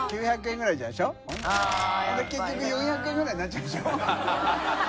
で結局４００円ぐらいになっちゃうんでしょ？